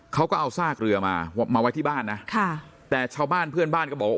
เขาก็เอาซากเรือมามาไว้ที่บ้านนะค่ะแต่ชาวบ้านเพื่อนบ้านก็บอกว่า